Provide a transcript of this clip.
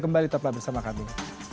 kembali tetap bersama kami